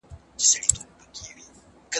د پنبې سپین حاصل په مني کې له پټیو راټولیږي.